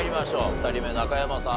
２人目中山さん